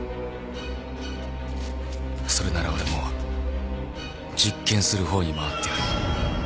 それなら俺も実験するほうに回ってやる。